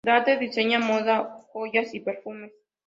Daphne diseña moda, joyas y perfumes.